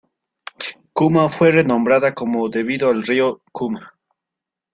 Kuma fue renombrada como debido al Río Kuma.